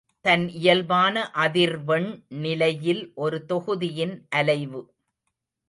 தன் இயல்பான அதிர்வெண் நிலையில் ஒரு தொகுதியின் அலைவு.